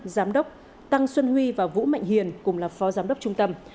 giám đốc tăng xuân huy và vũ mạnh hiền cùng là phó giám đốc trung tâm